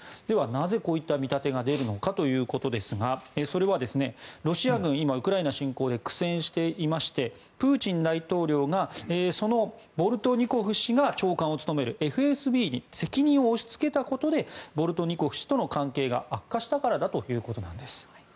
では、なぜこういった見立てが出るのかということですがそれはロシア軍今、ウクライナ侵攻で苦戦していましてプーチン大統領がそのボルトニコフ氏が長官を務めるＦＳＢに責任を押しつけたことでボルトニコフとの関係が悪化したからだということなんです。